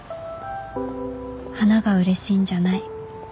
花がうれしいんじゃない